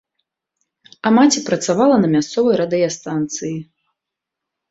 А маці працавала на мясцовай радыёстанцыі.